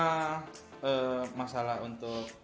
ee masalah untuk